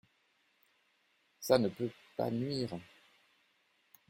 Ca ne peut pas nuire…